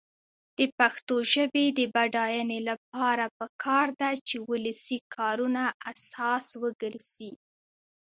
د پښتو ژبې د بډاینې لپاره پکار ده چې ولسي کارونه اساس وګرځي.